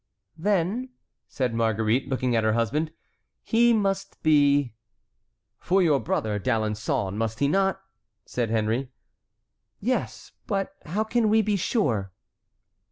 "Then," said Marguerite, looking at her husband, "he must be"— "For your brother D'Alençon, must he not?" said Henry. "Yes; but how can we be sure?"